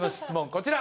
こちら。